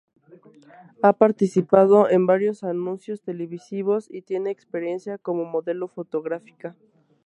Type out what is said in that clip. Ha participado en varios anuncios televisivos y tiene experiencia como modelo fotográfica.